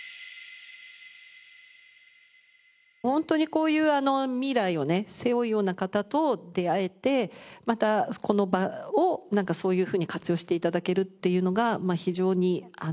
本当にこういう未来をね背負うような方と出会えてまたこの場をそういうふうに活用して頂けるっていうのが非常に